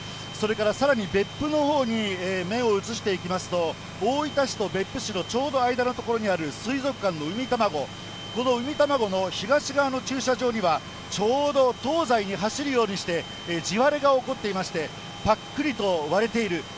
それからさらに別府のほうに目を移していきますと、大分市と別府市のちょうど間の所にある水族館のうみたまご、このうみたまごの東側の駐車場には、ちょうど東西に走るようにして地割れが起こっていまして、ぱっくりと割れている。